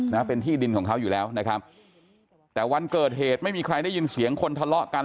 นะเป็นที่ดินของเขาอยู่แล้วนะครับแต่วันเกิดเหตุไม่มีใครได้ยินเสียงคนทะเลาะกัน